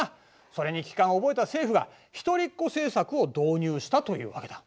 それに危機感を覚えた政府が一人っ子政策を導入したというわけだ。